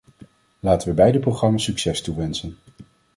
Laten we beide programma's succes toewensen.